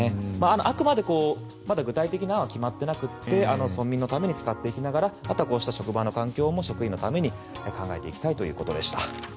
あくまでまだ具体的な案は決まっていなくて村民のために使っていきながらあとは、職場の環境も職員のために考えていきたいということでした。